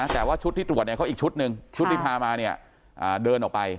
แต่ว่าชุดที่ตรวจเนี่ยเขาอีกชุดหนึ่งชุดที่พามาเนี่ยเดินออกไป